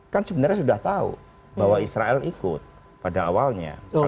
kan sebenarnya sudah tahu bahwa israel ikut pada awalnya